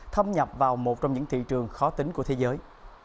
thâm nhập vào một trong những thị trường khó tính của thế giới